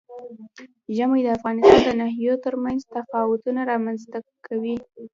ژمی د افغانستان د ناحیو ترمنځ تفاوتونه رامنځ ته کوي.